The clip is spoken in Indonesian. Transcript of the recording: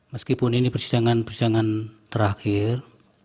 meskipun ini persidangan persidangan terakhir